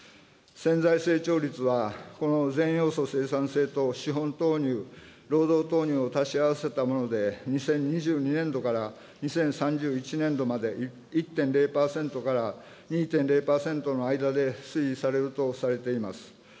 潜在成長率は、この全要素生産性と資本投入、労働投入を足し合わせたもので、２０２２年度から２０３１年度まで１．０％から、２．０％の間で推移されるとされています。